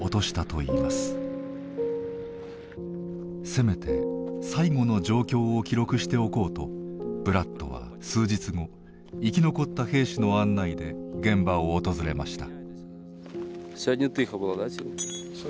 せめて最期の状況を記録しておこうとブラッドは数日後生き残った兵士の案内で現場を訪れました。